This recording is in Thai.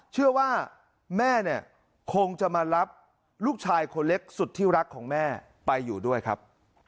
เชื่อว่าแม่เนี่ยคงจะมารับลูกชายคนเล็กสุดที่รักของแม่ไปอยู่ด้วยครับ